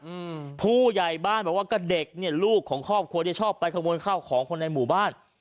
อืมผู้ใหญ่บ้านบอกว่าก็เด็กเนี่ยลูกของครอบครัวที่ชอบไปขโมยข้าวของคนในหมู่บ้าน